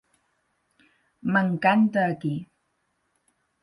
M'encanta aquí.